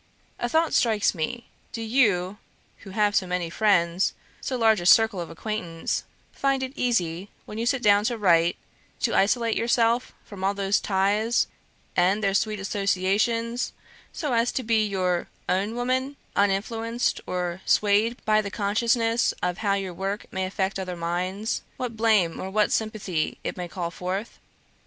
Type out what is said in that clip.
... A thought strikes me. Do you, who have so many friends, so large a circle of acquaintance, find it easy, when you sit down to write, to isolate yourself from all those ties, and their sweet associations, so as to be your OWN WOMAN, uninfluenced or swayed by the consciousness of how your work may affect other minds; what blame or what sympathy it may call forth?